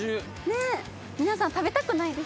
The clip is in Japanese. ねえ皆さん食べたくないですか？